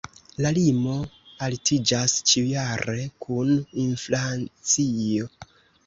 La limo altiĝas ĉiujare kun inflacio.